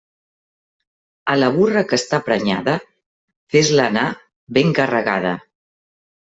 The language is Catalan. A la burra que està prenyada, fes-la anar ben carregada.